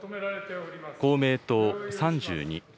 公明党３２。